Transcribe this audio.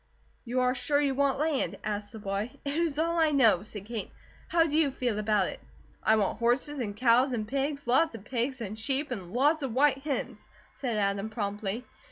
"You are sure you want land?" asked the boy. "It is all I know," said Kate. "How do you feel about it?" "I want horses, and cows, and pigs lots of pigs and sheep, and lots of white hens," said Adam, promptly.